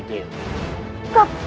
untuk menemukan trepon